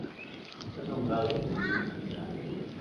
Fue nombrado teniente general.